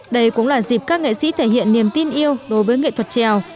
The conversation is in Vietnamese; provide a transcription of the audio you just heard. đây cũng là dịp các nghệ sĩ thể hiện niềm tin yêu đối với nghệ thuật trèo